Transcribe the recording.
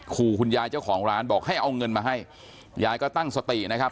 ขู่คุณยายเจ้าของร้านบอกให้เอาเงินมาให้ยายก็ตั้งสตินะครับ